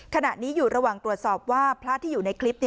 ขณะนี้อยู่ระหว่างตรวจสอบว่าพระที่อยู่ในคลิป